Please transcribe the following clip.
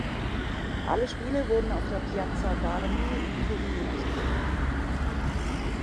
Alle Spiele wurden auf der Piazza d’Armi in Turin ausgetragen.